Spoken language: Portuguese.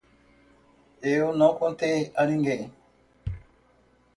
Eu não contei a ninguém.